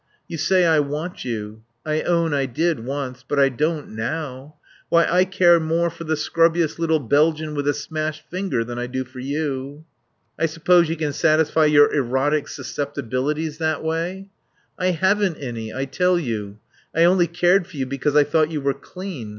"You say I want you. I own I did once. But I don't now. Why, I care more for the scrubbiest little Belgian with a smashed finger than I do for you." "I suppose you can satisfy your erotic susceptibilities that way." "I haven't any, I tell you. I only cared for you because I thought you were clean.